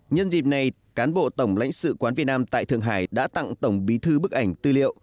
nhân dịp này cán bộ tổng lãnh sự quán việt nam tại thượng hải đã tặng tổng bí thư bức ảnh tư liệu